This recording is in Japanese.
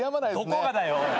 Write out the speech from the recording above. どこがだよおい。